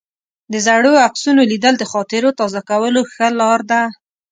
د زړو عکسونو لیدل د خاطرو تازه کولو ښه لار ده.